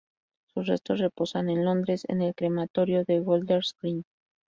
Sus restos reposan en Londres, en el Crematorio de Golders Green.